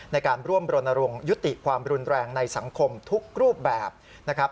ในการร่วมรณรงค์ยุติความรุนแรงในสังคมทุกรูปแบบนะครับ